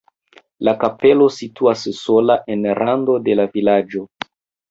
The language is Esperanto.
La kapelo situas sola en rando de la vilaĝo.